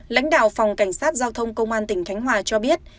lãnh đạo phòng cảnh sát giao thông công an tỉnh khánh hòa cho biết